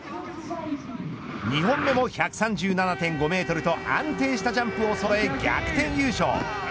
２本目も１３７．５メートルと安定したジャンプをそろえ逆転優勝。